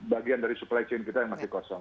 bagian dari supply chain kita yang masih kosong